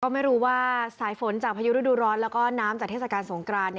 ไม่รู้ว่าสายฝนจากพายุฤดูร้อนแล้วก็น้ำจากเทศกาลสงกราน